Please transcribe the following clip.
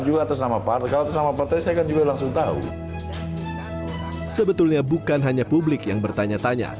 juga atas nama partai atas nama partai saya kan juga langsung tahu sebetulnya bukan hanya publik yang bertanya tanya